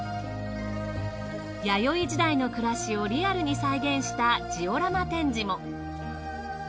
弥生時代の暮らしをリアルに再現したジオラマ展示も。